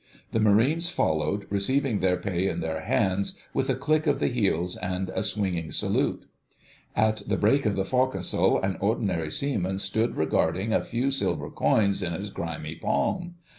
The Marines followed, receiving their pay in their hands, with a click of the heels and a swinging salute. At the break of the forecastle an Ordinary Seaman stood regarding a few silver coins in his grimy palm.